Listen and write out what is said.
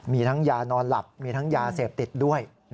มีทั้งยานอนหลับมีทั้งยาเสพติดด้วย